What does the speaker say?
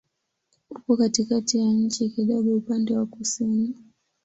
Upo katikati ya nchi, kidogo upande wa kusini.